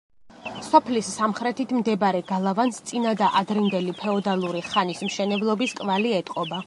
სოფლის სამხრეთით მდებარე გალავანს წინა და ადრინდელი ფეოდალური ხანის მშენებლობის კვალი ეტყობა.